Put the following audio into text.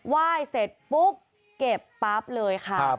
ไหว้เสร็จปุ๊บเก็บปั๊บเลยค่ะ